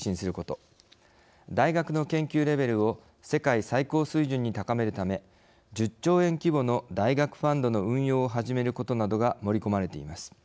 大学の研究レベルを世界最高水準に高めるため１０兆円規模の大学ファンドの運用を始めることなどが盛り込まれています。